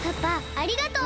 ありがとう！